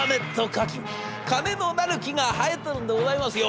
金のなる木が生えてるんでございますよ。